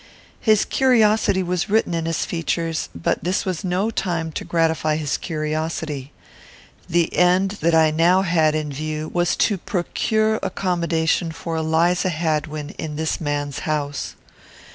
His curiosity was written in his features, but this was no time to gratify his curiosity. The end that I now had in view was to procure accommodation for Eliza Hadwin in this man's house.